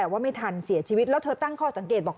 แต่ว่าไม่ทันเสียชีวิตแล้วเธอตั้งข้อสังเกตบอก